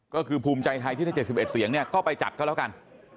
ก็คือภูมิใจไทยที่ได้๗๑เสียงเนี่ยก็ไปจัดก็แล้วกัน